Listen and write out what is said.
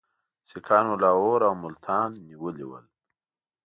سیکهان لاهور او ملتان نیولي ول.